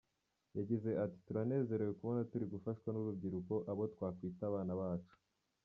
Yagize ati“ Turanezerewe kubona turi gufashwa n’urubyiruko, abo twakwita abana bacu.